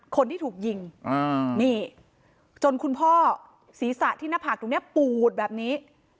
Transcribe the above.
คนที่ถูกยิงนี่จนคุณพ่อศีรษะที่หน้าผากตรงนี้ปูดแบบนี้